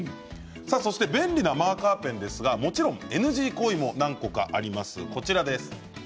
そして便利なマーカーペンですがもちろんＮＧ行為も何個かあります。